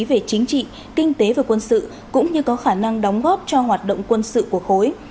về chính trị kinh tế và quân sự cũng như có khả năng đóng góp cho hoạt động quân sự của khối